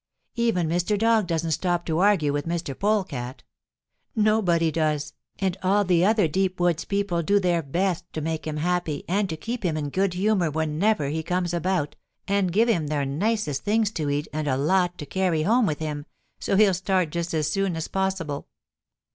Even Mr. Dog doesn't stop to argue with Mr. Polecat. Nobody does, and all the other deep woods people do their best to make him happy and to keep him in a good humor whenever he comes about, and give him their nicest things to eat and a lot to carry home with him, so he'll start just as soon as possible.